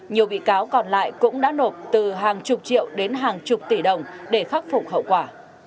nhiều bị cáo còn lại cũng đã nộp từ hàng chục triệu đến hàng chục tỷ đồng để khắc phục hậu quả